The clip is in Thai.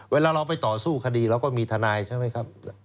เวลาเราไปต่อสู้คดีเราก็มีทนายใช่ไหมครับ